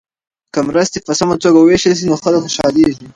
که مرستې په سمه توګه وویشل سي نو خلک خوشحالیږي.